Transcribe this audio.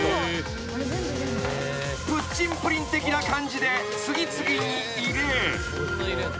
［プッチンプリン的な感じで次々に入れ］